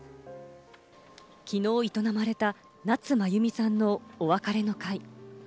きのう営まれた、夏まゆみさんのお別れの会。